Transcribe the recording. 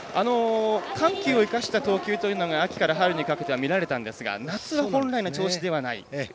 緩急を生かした投球というのが秋から春にかけては見られたんですが夏は本来の調子ではない。